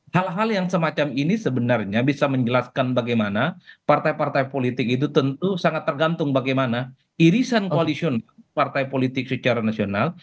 hal hal yang semacam ini sebenarnya bisa menjelaskan bagaimana partai partai politik itu tentu sangat tergantung bagaimana irisan koalisional partai politik secara nasional